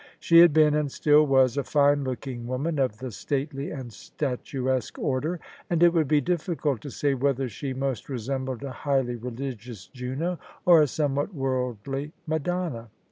She had been — ^and still was — a fine looking woman, of the stately and statuesque order: and it would be difficult to say whether she most resembled a highly religious Juno or a somewhat worldly Madonna.